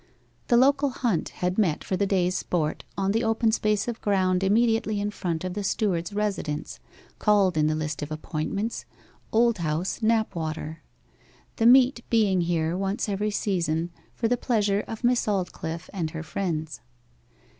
The local Hunt had met for the day's sport on the open space of ground immediately in front of the steward's residence called in the list of appointments, 'Old House, Knapwater' the meet being here once every season, for the pleasure of Miss Aldclyffe and her friends.